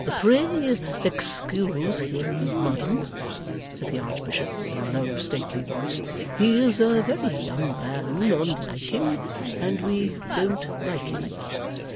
'Pray excuse him, madam,' said the Archbishop in a low stately voice; 'he is a very young man on liking, and we DON'T like him.